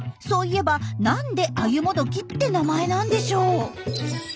そういえばなんでアユモドキって名前なんでしょう？